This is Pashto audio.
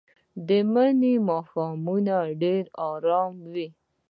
د مني ماښامونه ډېر ارام وي